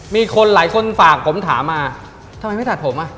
มีคนหลายคนฝากผมถามมาทำไมไม่ตัดผมอ่ะ